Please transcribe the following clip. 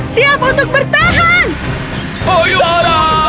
siap untuk bertahan